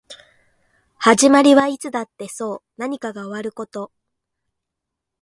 始まりはいつだってそう何かが終わること